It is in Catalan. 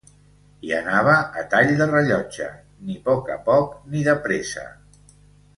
Hi anava a tall de rellotge, ni poc a poc ni depresa